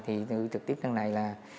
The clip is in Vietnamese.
thì trực tiếp trong này là